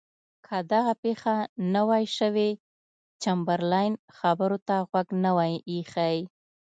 که دغه پېښه نه وای شوې چمبرلاین خبرو ته غوږ نه وای ایښی.